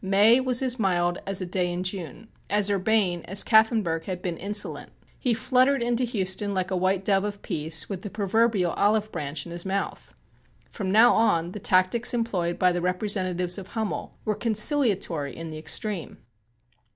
May was as mild as a day in June as urbane as Kaffenburgh had been insolent. He fluttered into Houston like a white dove of peace with the proverbial olive branch in his mouth. From now on the tactics employed by the representatives of Hummel were conciliatory in the extreme.